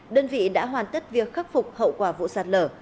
đơn vị đã hoàn tất việc khắc phục hậu quả vụ sạt lở